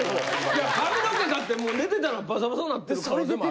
いや髪の毛だってもう寝てたらバサバサなってる可能性もあるやんか。